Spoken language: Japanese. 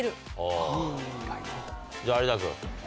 じゃあ有田君。